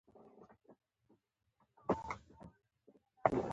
نسلونه د زدهکړې په مټ پرمختګ کوي.